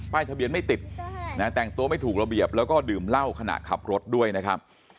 ทะเบียนไม่ติดแต่งตัวไม่ถูกระเบียบแล้วก็ดื่มเหล้าขณะขับรถด้วยนะครับ